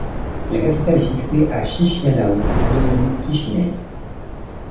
La capitale est fixée à Chișinău, devenue Kichinev.